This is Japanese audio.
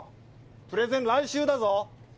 プレゼン来週だぞ！